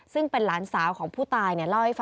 ซึ่งเป็นหลานสาวของผู้ตาย